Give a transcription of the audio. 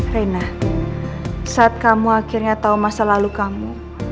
rena saat kamu akhirnya tahu masa lalu kamu